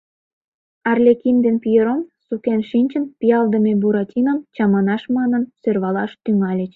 Арлекин ден Пьеро, сукен шинчын, пиалдыме Буратином чаманаш манын, сӧрвалаш тӱҥальыч.